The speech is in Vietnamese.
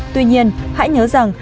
tuy nhiên hãy nhớ rằng